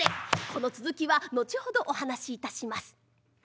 この続きは後ほどお話いたします。